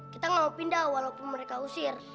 kita nggak mau pindah walaupun mereka usir